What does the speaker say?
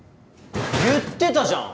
言ってたじゃん